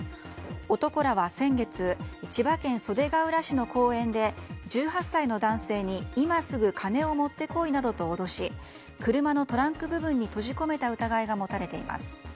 男らは先月千葉県袖ケ浦市の公園で１８歳の男性に今すぐ金を持ってこいなどと脅し車のトランク部分に閉じ込めた疑いが持たれています。